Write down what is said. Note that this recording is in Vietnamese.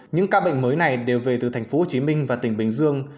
những ca bệnh mới này đều về từ thành phố hồ chí minh và tỉnh bình dương